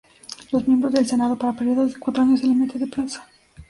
Los miembros del Senado para periodos de cuatro años sin límite de plazo.